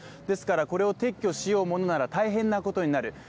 ですからこれを撤去しようものなら大変なことになる。